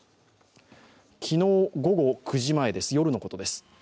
昨日午後９時前です、夜のことです。